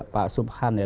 pak subhan ya